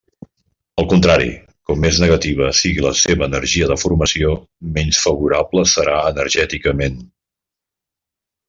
Al contrari, com més negativa sigui la seva energia de formació, menys favorable serà energèticament.